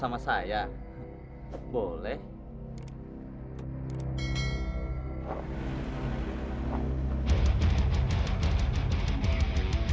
di waspada bunyi